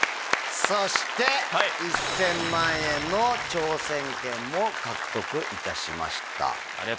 そして１０００万円の挑戦権も獲得いたしました。